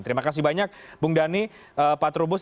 terima kasih banyak bung dhani pak trubus